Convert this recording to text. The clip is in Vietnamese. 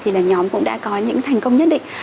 thì là nhóm cũng đã có những thành công nhất định